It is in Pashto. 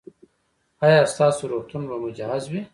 ایا ستاسو روغتون به مجهز وي؟